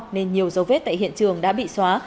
nên nhiều dấu vết tại hiện trường đã bị xóa